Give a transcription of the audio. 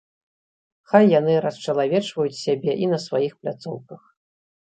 Хай яны расчалавечваюць сябе і на сваіх пляцоўках.